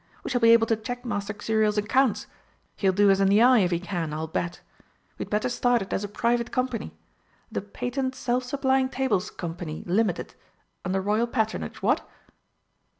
We shall be able to check Master Xuriel's accounts he'll do us in the eye if he can, I'll bet. We'd better start it as a private company. The Patent Self supplying Tables Co., Limited. Under Royal Patronage, what?"